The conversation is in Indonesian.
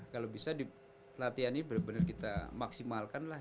kalau bisa di latihan ini bener bener kita maksimalkan lah